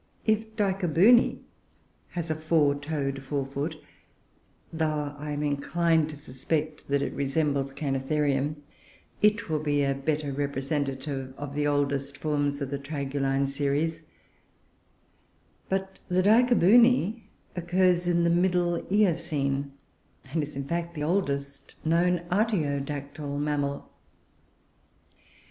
If Dichobune has a fore toed fore foot (though I am inclined to suspect that it resembles Cainotherium), it will be a better representative of the oldest forms of the Traguline series; but Dichobune occurs in the Middle Eocene, and is, in fact, the oldest known artiodactyle mammal.